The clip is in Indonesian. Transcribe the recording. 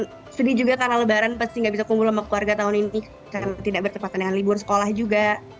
ya sedih juga karena lebaran pasti nggak bisa kumpul sama keluarga tahun ini karena tidak bertepatan dengan libur sekolah juga